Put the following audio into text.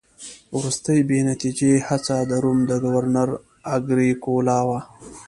وروستۍ بې نتیجې هڅه د روم د ګورنر اګریکولا وه